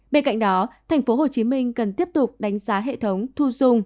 bên cạnh đó tp hcm cần tiếp tục đánh giá hệ thống thu dung